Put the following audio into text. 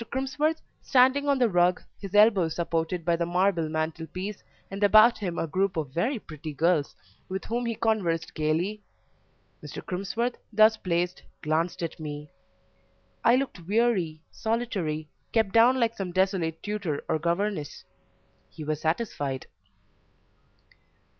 Crimsworth, standing on the rug, his elbow supported by the marble mantelpiece, and about him a group of very pretty girls, with whom he conversed gaily Mr. Crimsworth, thus placed, glanced at me; I looked weary, solitary, kept down like some desolate tutor or governess; he was satisfied.